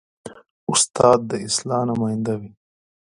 استاد د اصلاح نماینده وي.